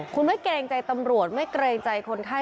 คุณไม่เกรงใจตำรวจไม่เกรงใจคนไข้